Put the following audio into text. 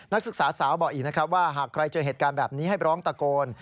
นักศึกษาสาวบอกอีกนะครับว่าหากใครเจอเหตุการณ์แบบนี้ให้ร้องตะโกน